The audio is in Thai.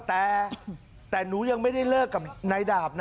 แต่หนูยังไม่ได้เลิกกับนายดาบนะ